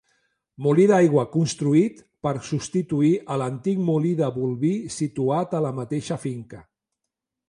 Molí d'aigua construït per substituir a l'antic molí de Bolvir, situat a la mateixa finca.